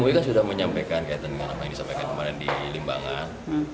mui kan sudah menyampaikan kaitan dengan apa yang disampaikan kemarin di limbangan